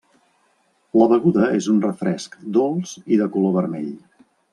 La beguda és un refresc dolç i de color vermell.